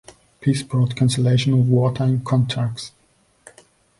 Peace brought cancellation of wartime contracts.